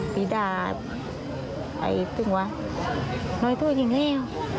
พี่ดาไอ่ตึงว่าำแมล่ะว่านี่